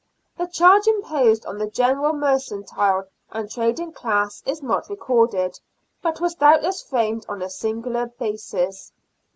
The charge imposed on the general mercantile and trading class is not recorded, but was doubtless framed on a similar basis.